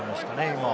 今。